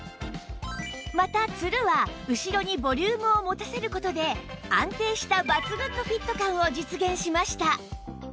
またツルは後ろにボリュームを持たせる事で安定したバツグンのフィット感を実現しました